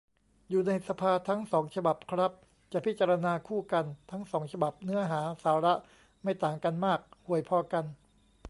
อยู่ในสภาทั้งสองฉบับครับ จะพิจารณาคู่กัน ทั้งสองฉบับเนื้อหาสาระไม่ต่างกันมาก ห่วยพอกัน